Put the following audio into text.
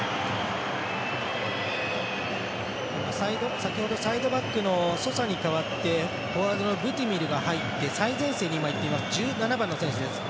先ほどサイドバックのソサに代わってフォワードのブディミルが入って最前線に今、いっている１７番の選手です。